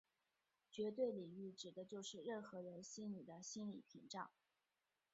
绝对领域指的就是任何人心里的心理屏障。